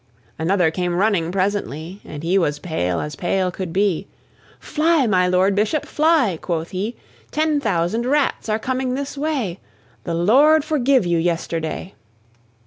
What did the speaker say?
Another came running presently, And he was pale as pale could be: "Fly, my Lord Bishop, fly!" quoth he, "Ten thousand Rats are coming this way; The Lord forgive you yesterday!"